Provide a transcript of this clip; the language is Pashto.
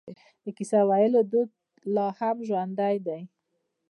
د کیسه ویلو دود لا هم ژوندی دی.